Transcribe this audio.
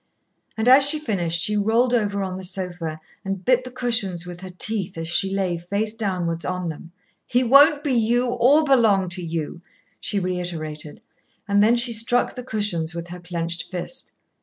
And as she finished, she rolled over on the sofa, and bit the cushions with her teeth as she lay face downwards on them. "He won't be you, or belong to you," she reiterated, and then she struck the cushions with her clenched fist.